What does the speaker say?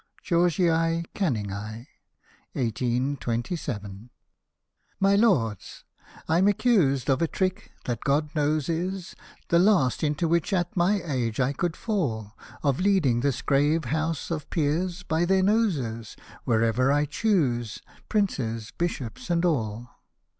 Georgii Canningii. 1827. My Lords, I'm accused of a trick that, God knows, is The last into which, at my age, I could fall — Of leading this grave House of Peers, by their noses, Wherever I choose, princes, bishops, and all.